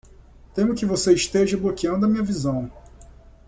Temo que você esteja bloqueando minha visão.